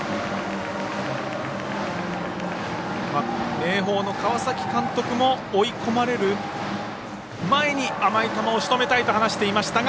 明豊の川崎監督も追い込まれる前に甘い球をしとめたいと話していましたが。